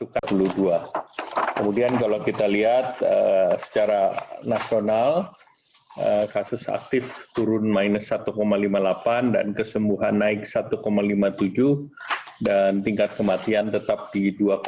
kemudian kalau kita lihat secara nasional kasus aktif turun minus satu lima puluh delapan dan kesembuhan naik satu lima puluh tujuh dan tingkat kematian tetap di dua